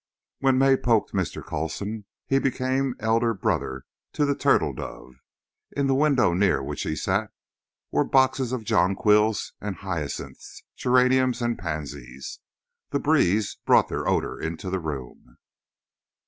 When May poked Mr. Coulson he became elder brother to the turtle dove. In the window near which he sat were boxes of jonquils, of hyacinths, geraniums and pansies. The breeze brought their odour into the room.